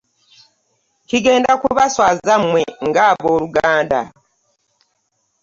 Kigenda kubaswaza mwe nga oboluganda.